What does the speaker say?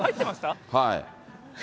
はい。